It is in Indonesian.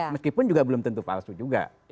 meskipun juga belum tentu palsu juga